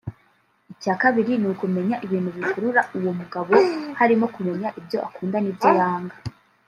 Icya kabiri ni ukumenya ibintu bikurura uwo mugabo harimo kumenya ibyo akunda n’ibyo yanga